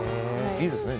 いいですね。